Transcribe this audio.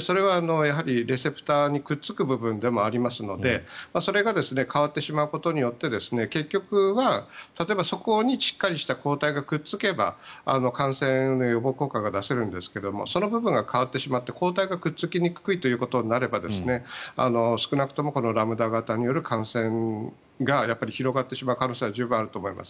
それはレセプターにくっつく部分でもありますのでそれが変わってしまうことによって結局は、例えばそこにしっかりした抗体がくっつけば感染の予防効果が出せるんですけどもそこの部分が変わってしまって抗体がくっつきにくいということになれば少なくともこのラムダ型による感染が広がってしまう可能性は十分あると思います。